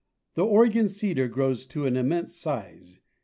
The Oregon cedar grows to an immense size.